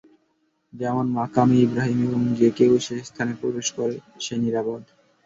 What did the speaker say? যেমন মাকামে ইবরাহীম এবং যে কেউ সেস্থানে প্রবেশ করে সে নিরাপদ।